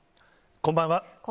こんばんは。